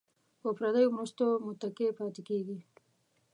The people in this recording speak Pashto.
په پردیو مرستو متکي پاتې کیږي.